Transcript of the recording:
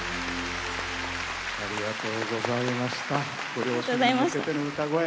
ご両親に向けての歌声。